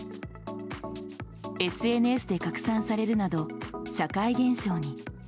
ＳＮＳで拡散されるなど社会現象に。